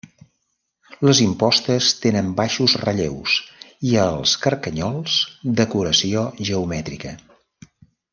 Les impostes tenen baixos relleus i els carcanyols, decoració geomètrica.